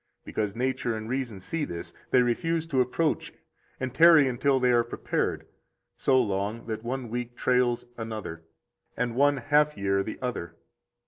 Because nature and reason see this, they refuse to approach and tarry until they are prepared, so long that one week trails another, and one half year the other.